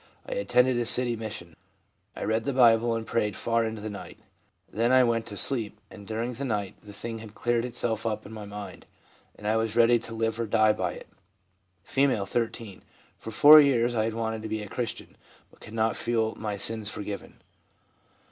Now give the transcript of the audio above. ... I attended a city mission. ... I read the Bible and prayed far into the night. Then I went to sleep, and during the night the thing had cleared itself up in my mind, and I was ready to live or die by it/ F., 13. ' For four years I had wanted to be a Christian, but could not feel my IN WHAT CONVERSION CONSISTS 93 sins forgiven.